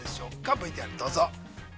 ＶＴＲ、どうぞ。